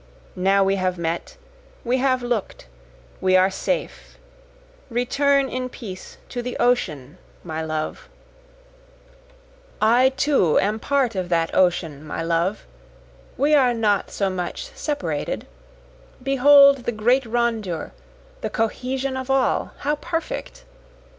Now we have met, we have look'd, we are safe, Return in peace to the ocean my love, I too am part of that ocean my love, we are not so much separated, Behold the great rondure, the cohesion of all, how perfect!